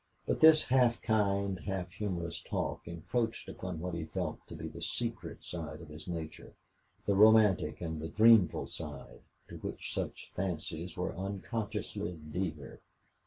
But this half kind, half humorous talk encroached upon what he felt to be the secret side of his nature the romantic and the dreamful side to which such fancies were unconscionably dear.